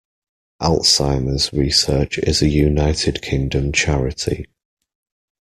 Alzheimer's Research is a United Kingdom charity.